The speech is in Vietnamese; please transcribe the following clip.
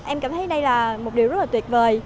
em cảm thấy đây là một điều rất là tuyệt vời